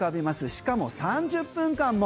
しかも３０分間も。